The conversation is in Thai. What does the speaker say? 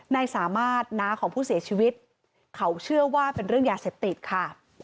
นายสามารถน้าของผู้เสียชีวิตเขาเชื่อว่าเป็นเรื่องยาเสพติดค่ะ